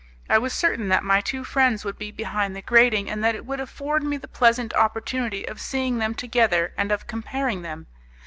I was certain that my two friends would be behind the grating, and that it would afford me the pleasant opportunity of seeing them together and of comparing them.